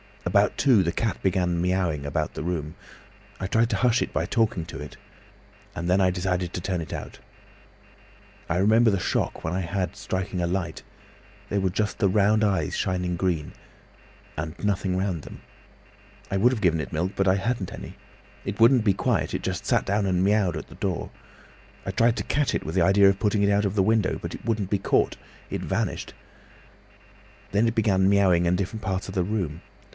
About two, the cat began miaowing about the room. I tried to hush it by talking to it, and then I decided to turn it out. I remember the shock I had when striking a light—there were just the round eyes shining green—and nothing round them. I would have given it milk, but I hadn't any. It wouldn't be quiet, it just sat down and miaowed at the door. I tried to catch it, with an idea of putting it out of the window, but it wouldn't be caught, it vanished. Then it began miaowing in different parts of the room.